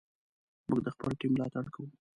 موږ د خپل ټیم ملاتړ کوو.